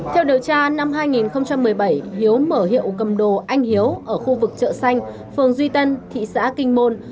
theo điều tra năm hai nghìn một mươi bảy hiếu mở hiệu cầm đồ anh hiếu ở khu vực chợ xanh phường duy tân thị xã kinh môn